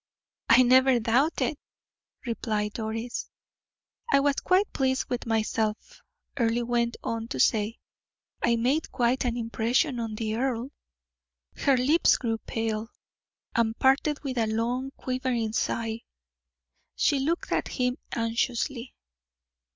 "I never doubted it," replied Doris. "I was quite pleased with myself," Earle went on to say; "I made quite an impression on the earl." Her lips grew pale, and parted with a long, quivering sigh; she looked at him anxiously.